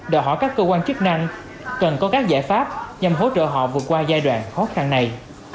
đòi hỏi các cơ quan chức năng cần có các giải pháp nhằm hỗ trợ họ vượt qua giai đoạn khó khăn này